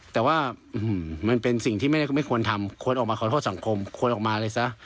แต่ว่ามันเป็นสิ่งที่ไม่ได้ไม่ควรทำควรออกมาขอโทษสังคมควรออกมาเลยซะ